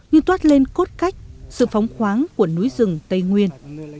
như toát lên cốt cách sự phóng khoáng của núi rừng tây nguyên